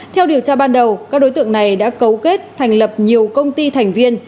theo điều tra ban đầu các đối tượng này đã cấu kết thành lập nhiều công ty thành viên